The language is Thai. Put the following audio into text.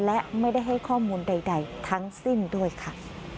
และไม่ได้ให้ข้อมูลใดทั้งสิ้นด้วยค่ะ